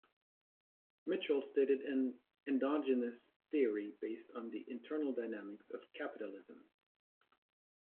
Mitchell stated an endogenous theory, based on the internal dynamics of capitalism.